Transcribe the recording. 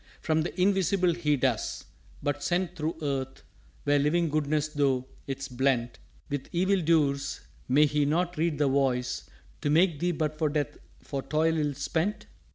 '_" "From the Invisible, he does. But sent Thro' Earth, where living Goodness tho' 'tis blent With Evil dures, may he not read the Voice, 'To make thee but for Death were toil ill spent'?"